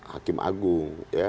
hakim agung ya